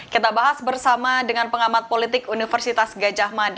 kita bahas bersama dengan pengamat politik universitas gajah mada